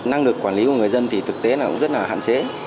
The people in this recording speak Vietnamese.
năng lực quản lý của người dân thì thực tế là cũng rất là hạn chế